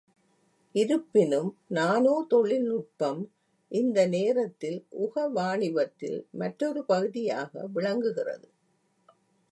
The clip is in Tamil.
இருப்பினும், நானோ தொழில்நுட்பம் இந்த நேரத்தில் ஊக வாணிபத்தில் மற்றொரு பகுதியாக விளங்குகிறது.